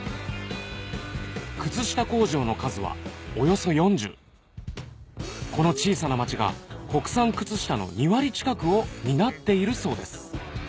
靴下工場の数はおよそ４０この小さな町が国産靴下の２割近くを担っているそうです